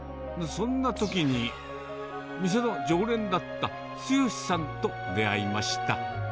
そんなときに、店の常連だった剛さんと出会いました。